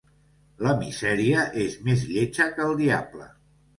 La misèria és més lletja que el diable.